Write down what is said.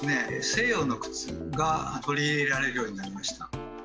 西洋の靴が取り入れられるようになりました。